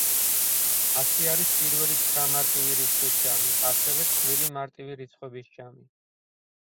ასი არის პირველი ცხრა მარტივი რიცხვის ჯამი, ასევე წყვილი მარტივი რიცხვების ჯამი.